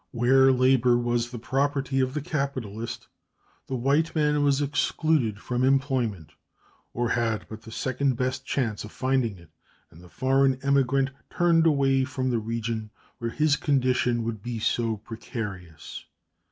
Where labor was the property of the capitalist, the white man was excluded from employment, or had but the second best chance of finding it; and the foreign emigrant turned away from the region where his condition would be so precarious.